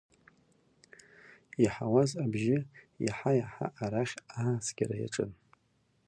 Иаҳауаз абжьы иаҳа-иаҳа арахь ааскьара иаҿын.